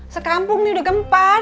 sekampung ini udah gempar